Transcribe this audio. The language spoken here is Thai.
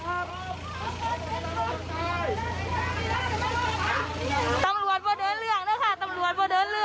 เอาหัวมาพอ